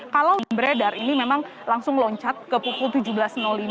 kalau beredar ini memang langsung loncat ke pukul tujuh belas lima